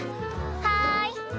はい。